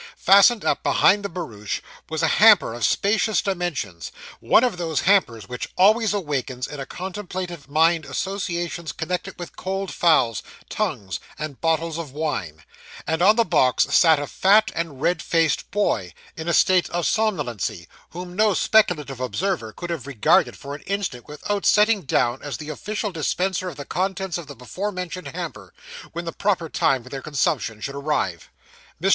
Fastened up behind the barouche was a hamper of spacious dimensions one of those hampers which always awakens in a contemplative mind associations connected with cold fowls, tongues, and bottles of wine and on the box sat a fat and red faced boy, in a state of somnolency, whom no speculative observer could have regarded for an instant without setting down as the official dispenser of the contents of the before mentioned hamper, when the proper time for their consumption should arrive. Mr.